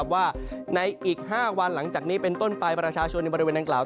ว่าในอีก๕วันหลังจากนี้เป็นต้นไปประชาชนในบริเวณดังกล่าว